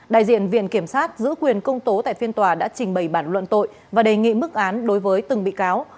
đại diện viện kiểm sát giữ quyền công tố tại phiên tòa đã trình bày bản luận tội và đề nghị mức án đối với từng bị cáo